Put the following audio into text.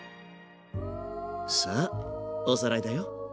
さあおさらいだよ。